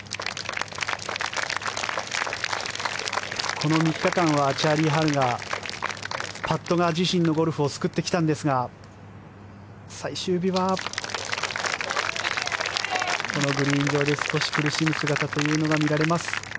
この３日間はチャーリー・ハルがパットが自身のゴルフを救ってきたんですが最終日は、このグリーン上で少し苦しむ姿というのが見られます。